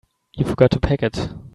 You forgot to pack it.